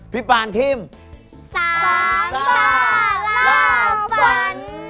พี่ปันทีมสามาราฝัน